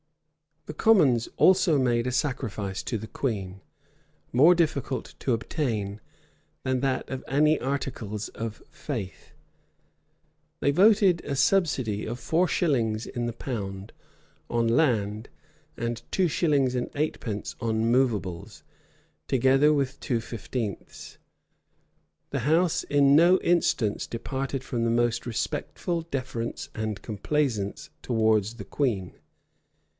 The commons also made a sacrifice to the queen, more difficult to obtain than that of any articles of faith: they voted a subsidy of four shillings in the pound on land, and two shillings and eightpence on movables, together with two fifteenths.[] The house in no instance departed from the most respectful deference and complaisance towards the queen.